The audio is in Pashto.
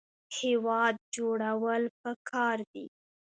هیواد جوړول پکار دي